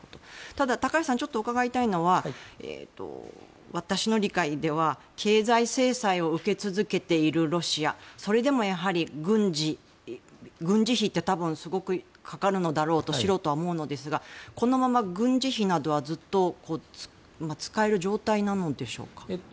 ただ、高橋さんにちょっと伺いたいのは私の理解では経済制裁を受け続けているロシアそれでもやはり軍事費って多分すごくかかるのだろうと素人は思うんですがこのまま軍事費などはずっと使える状態なのでしょうか？